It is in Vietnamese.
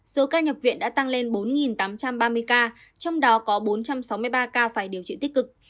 số ca nhập viện đã tăng lên bốn tám trăm ba mươi ca trong đó có bốn trăm sáu mươi ba ca phải điều trị tích cực